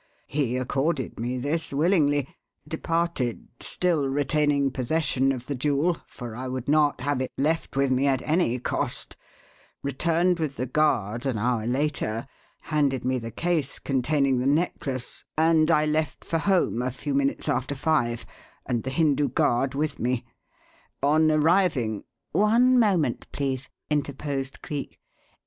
"He accorded me this willingly; departed still retaining possession of the jewel, for I would not have it left with me at any cost returned with the guard an hour later, handed me the case containing the necklace, and I left for home a few minutes after five and the Hindu guard with me. On arriving " "One moment, please," interposed Cleek.